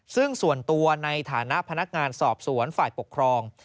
ซึ่งส่วนตัวในฐานะพนักงานสอบสวนฝ่ายปกครอง